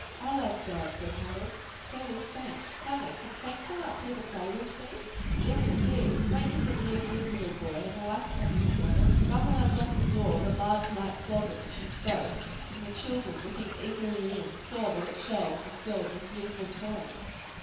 "I love God," said Harold, "and so does Fank: Mamma, can Fank come up here to play wis me?" "Yes, indeed: Frank is a dear, good little boy, and I like to have you together." Mamma unlocked the door of a large light closet, as she spoke, and the children, looking eagerly in, saw that its shelves were filled with beautiful toys.